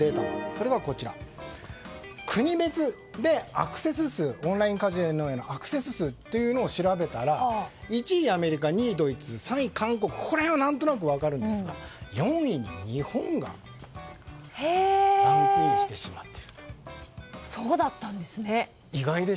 それが、国別でオンラインカジノへのアクセス数を調べたら１位、アメリカ２位、ドイツ、３位、韓国ここら辺は何となく分かるんですが４位に日本がランクインしてしまっているという。